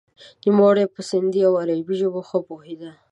نوموړی په سندهي او عربي ژبو ښه پوهیده.